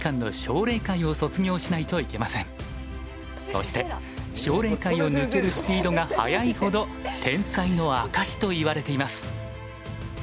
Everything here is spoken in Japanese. そして奨励会を抜けるスピードが速いほど天才の証しといわれています。